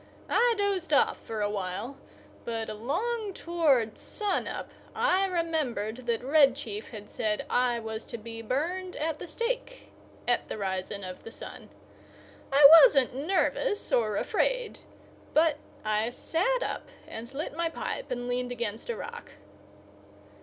I dozed off for a while, but along toward sun up I remembered that Red Chief had said I was to be burned at the stake at the rising of the sun. I wasn't nervous or afraid; but I sat up and lit my pipe and leaned against a rock.